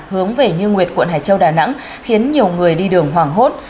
hướng về như nguyệt quận hải châu đà nẵng khiến nhiều người đi đường hoảng hốt